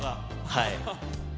はい。